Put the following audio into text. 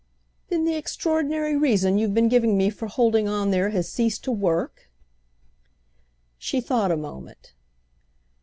"Then the extraordinary reason you've been giving me for holding on there has ceased to work?" She thought a moment.